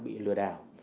bị lừa đảo